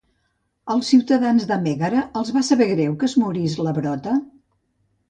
Als ciutadans de Mègara els va saber greu que morís l'Abrota?